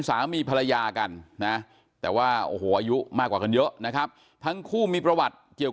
สามีภรรยากันนะแต่ว่าโอ้โหอายุมากกว่ากันเยอะนะครับทั้งคู่มีประวัติเกี่ยว